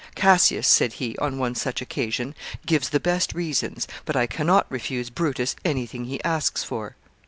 "Cassius," said he, on one such occasion, "gives the best reasons; but I can not refuse Brutus any thing he asks for."